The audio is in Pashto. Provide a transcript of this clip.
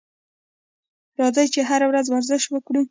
راځئ چې هره ورځ ورزش وکړو.